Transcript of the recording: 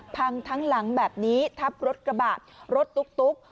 ทั้งหลังแบบนี้ทับรถกระบะรถตุ๊ก